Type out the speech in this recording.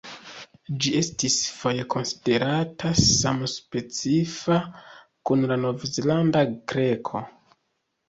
Ĝi estis foje konsiderata samspecifa kun la Novzelanda kreko.